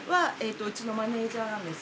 うちのマネージャーなんです。